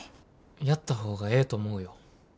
やった方がええと思うよ。